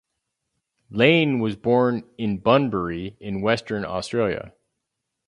Lane was born in Bunbury in Western Australia.